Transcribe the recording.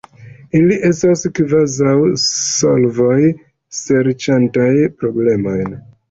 Ili estas kvazaŭ solvoj serĉantaj problemojn.